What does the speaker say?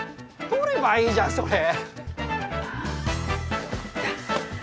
取ればいいじゃんそれ。